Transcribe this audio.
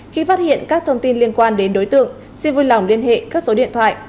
khi phát hiện các thông tin liên quan đến đối tượng xin vui lòng liên hệ các số điện thoại